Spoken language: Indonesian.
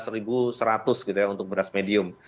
rp sebelas seratus untuk beras medium